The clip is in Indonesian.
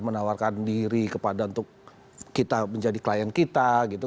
menawarkan diri kepada untuk kita menjadi klien kita gitu